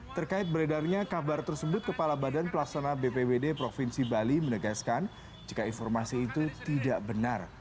terkait beredarnya kabar tersebut kepala badan pelaksana bpwd provinsi bali menegaskan jika informasi itu tidak benar